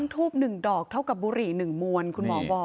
ทูปหนึ่งดอกเท่ากับบุรีหนึ่งมวลคุณหวับพวง